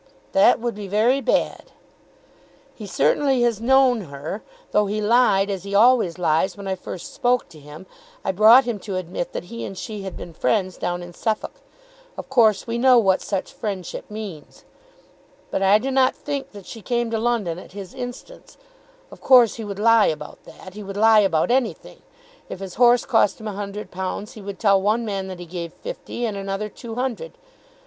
"That would be very bad." "He certainly has known her. Though he lied, as he always lies, when I first spoke to him, I brought him to admit that he and she had been friends down in Suffolk. Of course we know what such friendship means. But I do not think that she came to London at his instance. Of course he would lie about that. He would lie about anything. If his horse cost him a hundred pounds, he would tell one man that he gave fifty, and another two hundred.